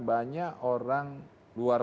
banyak orang luar